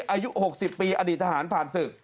อายุ๖๐ปีอดีตทหารผ่านศึก